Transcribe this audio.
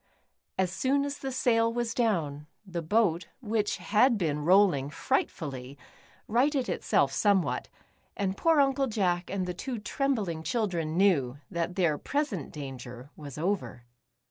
As soon as the sail was down, the boat, which had been rolling frightfully, righted itself somewhat, and poor Uncle Jack and the two trembling children knew that their present danger was over.